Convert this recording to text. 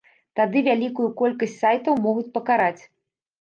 Тады вялікую колькасць сайтаў могуць пакараць.